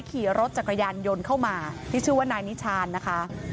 ขี่รถจักรยานยนต์เข้ามาที่ชื่อว่านายนิชานนะคะ